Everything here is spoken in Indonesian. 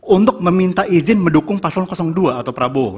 untuk meminta izin mendukung paslon dua atau prabowo